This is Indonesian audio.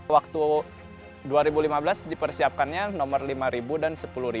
waktu dua ribu lima belas dipersiapkannya nomor lima ribu dan sepuluh